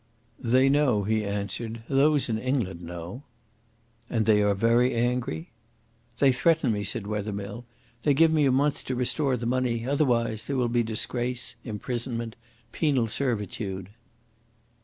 "They know," he answered; "those in England know." "And they are very angry?" "They threaten me," said Wethermill. "They give me a month to restore the money. Otherwise there will be disgrace, imprisonment, penal servitude."